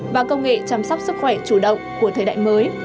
và công nghệ chăm sóc sức khỏe chủ động của thời đại mới